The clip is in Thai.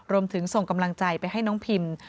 รวมถึงส่งกำลังใจไปให้น้องพิมพ์